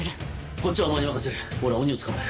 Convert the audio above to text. こっちはお前に任せる俺は鬼を捕まえる。